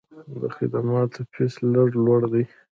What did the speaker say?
د خدماتو فیس لږ لوړ دی.